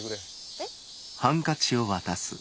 えっ？